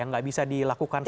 tidak bisa dilakukan satu